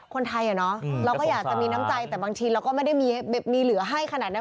คนไทยเราก็อยากจะมีน้ำใจแต่บางทีเราก็ไม่ได้มีเหลือให้ขนาดนั้น